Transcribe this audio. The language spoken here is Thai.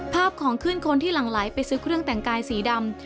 ของขึ้นคนที่หลั่งไหลไปซื้อเครื่องแต่งกายสีดำ